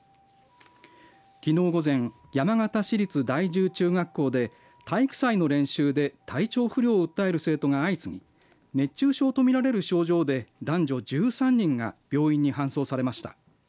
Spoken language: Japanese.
きのう午前山形市立第十中学校で体育祭の練習で体調不良を訴える生徒が相次ぎ熱中症と見られる症状で男女１３人が病院に搬送されました。